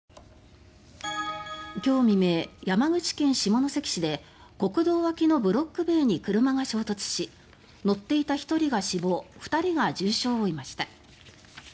今日未明、山口県下関市で国道脇のブロック塀に車が衝突し乗っていた１人が死亡２人が重傷を負いました。